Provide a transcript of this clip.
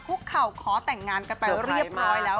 เข่าขอแต่งงานกันไปเรียบร้อยแล้ว